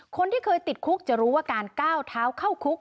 คนที่เคยติดคุกจะรู้ว่าการก้าวเท้าเข้าคุก